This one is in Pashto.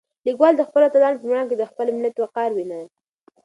لیکوال د خپلو اتلانو په مېړانه کې د خپل ملت وقار وینه.